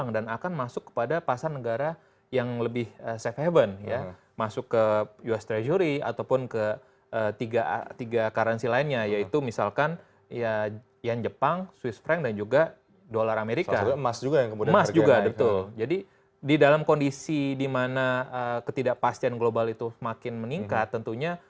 di dalam kondisi di mana ketidakpastian global itu makin meningkat tentunya